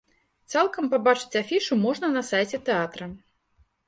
Цалкам пабачыць афішу можна на сайце тэатра.